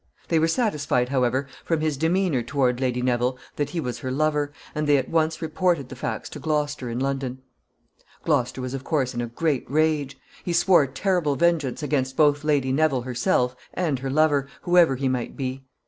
They were satisfied, however, from his demeanor toward Lady Neville, that he was her lover, and they at once reported the facts to Gloucester in London. [Sidenote: Plans for her return.] Gloucester was of course in a great rage. He swore terrible vengeance against both Lady Neville herself and her lover, whoever he might be.